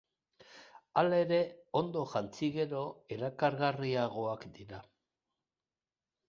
Halere, ondo jantzi gero, erakargarriagoak dira.